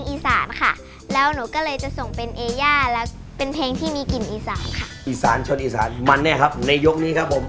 อีสานชนอีสานมันแน่ครับในยกนี้ครับผม